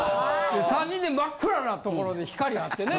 ３人で真っ暗な所で光あってね